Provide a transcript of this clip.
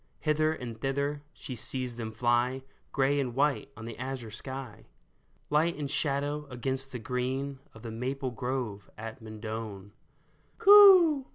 Hither and thither she sees them fly, Gray and white on the azure sky. Light and shadow against the green Of the maple grove at Mendon. " Coo